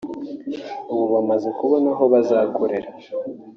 ubu bamaze kubona aho bazakorera